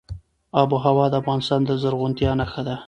آب وهوا د افغانستان د زرغونتیا نښه ده.